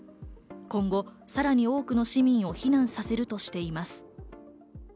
今後さらに多くの市民を避難させるとしています。